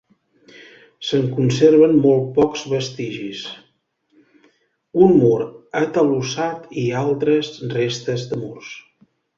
Se'n conserven molt pocs vestigis: un mur atalussat i altres restes de murs.